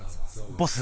ボス